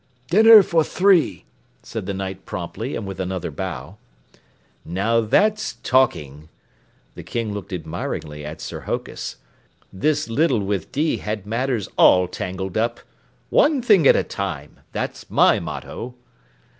"Dinner for three," said the Knight promptly and with another bow. "Now that's talking." The King looked admiringly at Sir Hokus. "This Little With D had matters all tangled up. One time at a thing! That's my motto!"